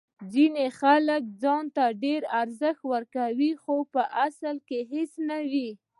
ځینې خلک ځان ته ډیر ارزښت ورکوي خو په اصل کې هیڅ نه وي.